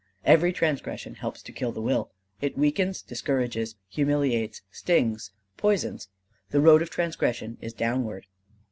Every transgression helps to kill the will. It weakens, discourages, humiliates, stings, poisons. The road of transgression is downward."